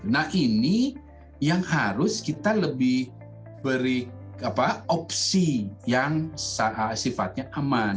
nah ini yang harus kita lebih beri opsi yang sifatnya aman